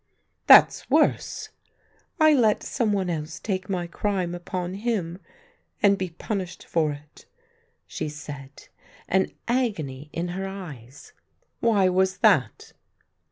" That's worse !"" I let some one else take my crime upon him and be punished for it," she said, an agony in her eyes. "Why was that?"